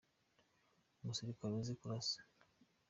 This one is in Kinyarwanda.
umusirikare azi kurasa.